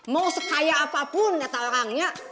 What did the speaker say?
mau sekaya apapun kata orangnya